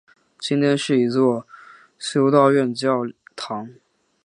今天是一座修道院教堂。